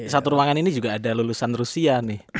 satu ruangan ini juga ada lulusan rusia